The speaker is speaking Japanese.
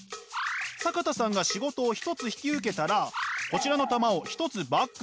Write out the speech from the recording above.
坂田さんが仕事を一つ引き受けたらこちらの玉を一つバッグに入れていきます。